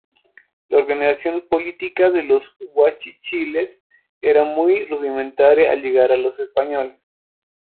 La organización política de los guachichiles era muy rudimentaria al llegar los españoles.